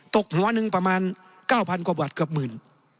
ตกหัวหนึ่งประมาณ๙๐๐กว่าบาทเกือบหมื่น